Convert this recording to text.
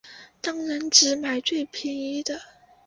当然只能买最便宜的